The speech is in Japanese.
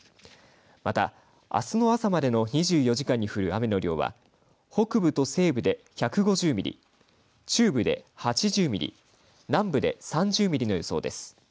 またあすの朝までの２４時間に降る雨の量は北部と西部で１５０ミリ、中部で８０ミリ、南部で３０ミリの予想です。